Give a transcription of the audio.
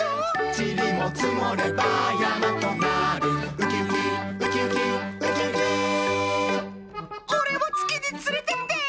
ちりもつもればやまとなるウキウキウキウキウキウキおれもつきにつれてって！